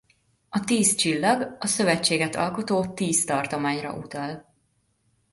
A tíz csillag a szövetséget alkotó tíz tartományra utal.